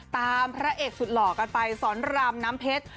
พระเอกสุดหล่อกันไปสอนรามน้ำเพชร